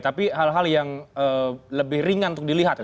tapi hal hal yang lebih ringan untuk dilihat ya